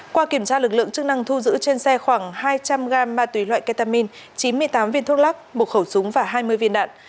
qua kiểm tra lực lượng chức năng thu giữ trên xe khoảng hai trăm linh gam ma túy loại ketamin chín mươi tám viên thuốc lắc một khẩu súng và hai mươi viên đạn